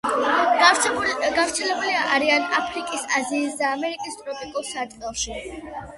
გავრცელებულნი არიან აფრიკის, აზიისა და ამერიკის ტროპიკულ სარტყელში.